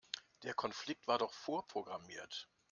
Der Konflikt war doch vorprogrammiert.